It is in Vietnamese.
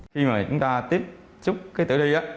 khi mà chúng ta tiếp trúc cái tử thi